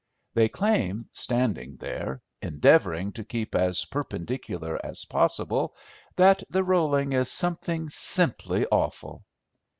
They claim, standing there, endeavouring to keep as perpendicular as possible, that the rolling is something simply awful.